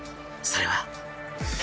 それは。